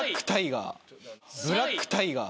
ブラックタイガー。